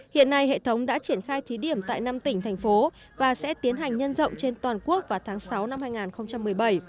hiện nay hệ thống đã triển khai thí điểm tại năm tỉnh thành phố và sẽ tiến hành nhân rộng trên toàn quốc vào tháng sáu năm hai nghìn một mươi bảy